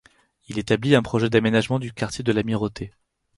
Il établit un projet d'aménagement du quartier de l'Amirauté.